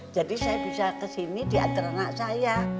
jadi saya bisa kesini diantar anak saya